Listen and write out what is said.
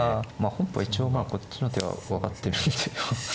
本譜は一応まあこっちの手が分かってるんで。